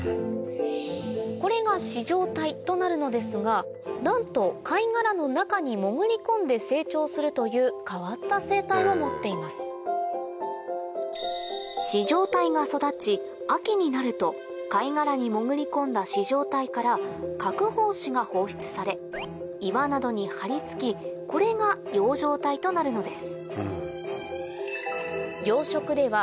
これが糸状体となるのですがなんと貝殻の中に潜り込んで成長するという変わった生態を持っています糸状体が育ち秋になると貝殻に潜り込んだ糸状体から殻胞子が放出され岩などに張り付きこれが葉状体となるのです